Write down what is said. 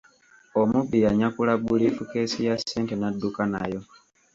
Omubbi yanyakula bulifukeesi ya ssente n’adduka nayo.